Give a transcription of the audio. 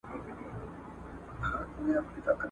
جهاني جامې یې سپیني زړونه تور لکه تبۍ وي ..